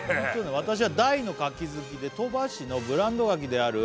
「私は大のかき好きで鳥羽市のブランドがきである」